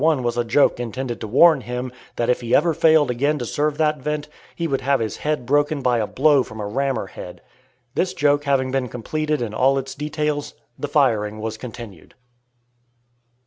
1 was a joke intended to warn him that if he ever failed again to serve that vent, he would have his head broken by a blow from a rammer head. This joke having been completed in all its details, the firing was continued.